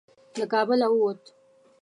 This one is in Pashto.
له کابله ووت.